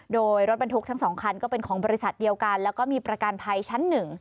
โดยรถบรรทุกทั้ง๒คันก็เป็นของบริษัทเดียวกันแล้วก็มีประกันภัยชั้น๑